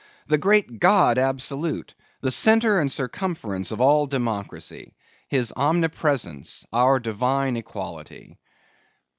The great God absolute! The centre and circumference of all democracy! His omnipresence, our divine equality!